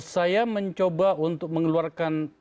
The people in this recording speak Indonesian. saya mencoba untuk mengeluarkan